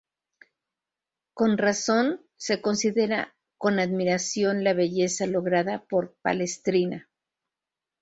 Con razón, se considera con admiración la belleza lograda por Palestrina.